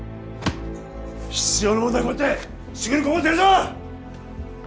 必要なものだけ持ってすぐにここを出るぞ！